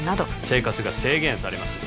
生活が制限されます